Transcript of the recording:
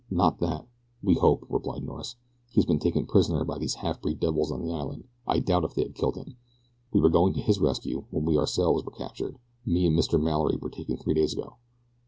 "Not that we hope," replied Norris. "He has been taken prisoner by these half breed devils on the island. I doubt if they have killed him we were going to his rescue when we ourselves were captured. He and Mr. Mallory were taken three days ago."